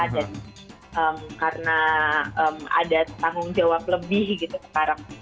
dan karena ada tanggung jawab lebih gitu sekarang